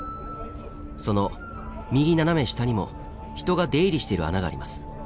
その右斜め下にも人が出入りしている穴があります。